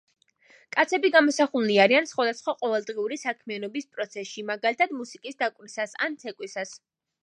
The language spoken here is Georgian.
კაცები გამოსახულნი არიან სხვადასხვა ყოველდღიური საქმიანობის პროცესში, მაგალითად მუსიკის დაკვრისას ან ცეკვისას.